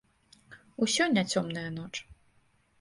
Усё не цёмная ноч.